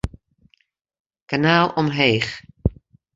Kanaal omheech.